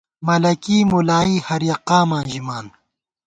ملَکی مُلائی ، ہر یَک قاماں ژِمان